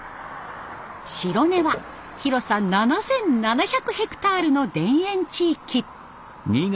白根は広さ７，７００ヘクタールの田園地域。